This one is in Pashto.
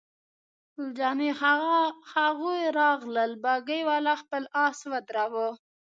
ګل جانې: هغه د یوه راغلل، بګۍ والا خپل آس ودراوه.